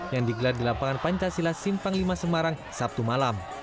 yang digelar di lapangan pancasila simpang lima semarang sabtu malam